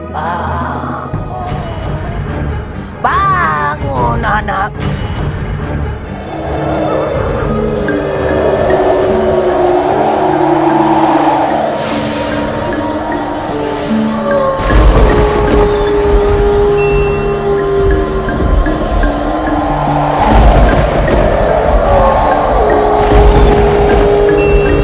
di mana luar biasa